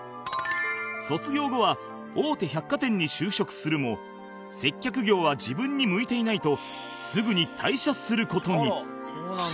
卒業後は大手百貨店に就職するも接客業は自分に向いていないとすぐに退社する事に